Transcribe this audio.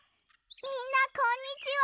みんなこんにちは！